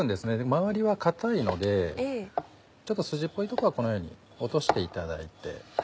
周りは硬いのでちょっと筋っぽいとこはこのように落としていただいて。